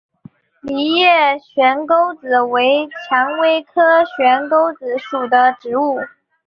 梨叶悬钩子为蔷薇科悬钩子属的植物。